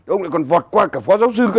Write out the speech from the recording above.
ông lại còn vọt qua cả phó giáo sư